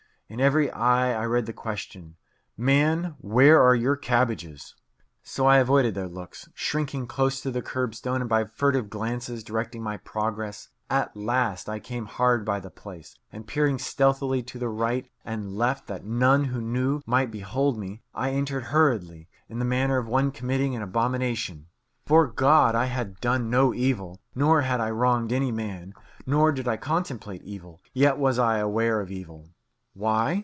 In every eye I read the question, Man, where are your cabbages? So I avoided their looks, shrinking close to the kerbstone and by furtive glances directing my progress. At last I came hard by the place, and peering stealthily to the right and left that none who knew might behold me, I entered hurriedly, in the manner of one committing an abomination. 'Fore God! I had done no evil, nor had I wronged any man, nor did I contemplate evil; yet was I aware of evil. Why?